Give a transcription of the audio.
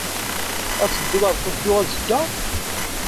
Ad tedduḍ ɣer Tokyo azekka?